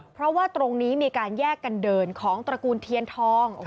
เพราะว่าตรงนี้มีการแยกกันเดินของตระกูลเทียนทอง